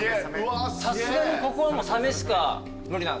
さすがにここはサメしか無理なんすか？